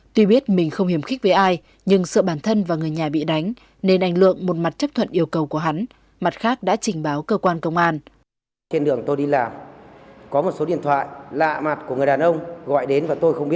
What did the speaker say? tuy biết mình không hiểm khích với ai nhưng sợ bản thân và người nhà bị đánh nên anh lượng một mặt chấp thuận yêu cầu của hắn mặt khác đã trình báo cơ quan công an